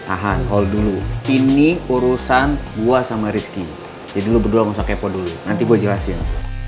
aha hold dulu ini urusan gue sama rizky jadi lo berdua gak usah kepo dulu nanti gue jelasin